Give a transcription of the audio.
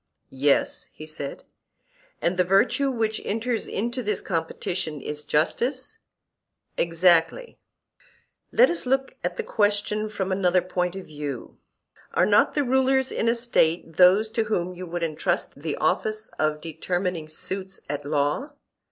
Yes, he said. And the virtue which enters into this competition is justice? Exactly. Let us look at the question from another point of view: Are not the rulers in a State those to whom you would entrust the office of determining suits at law?